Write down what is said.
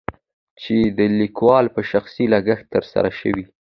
چې دليکوال په شخصي لګښت تر سره شوي.